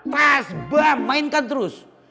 tas bam mainkan terus